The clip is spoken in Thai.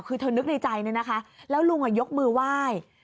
คือเธอนึกในใจเนี่ยนะคะแล้วลุงยกมือไหว้